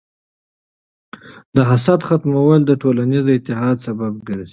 د حسد ختمول د ټولنیز اتحاد سبب ګرځي.